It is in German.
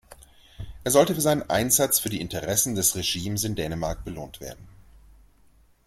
Er sollte für seinen Einsatz für die Interessen des Regimes in Dänemark belohnt werden.